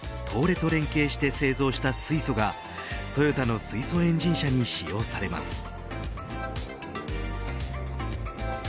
東レと連携して製造した水素がトヨタの水素エンジン車に使用されます。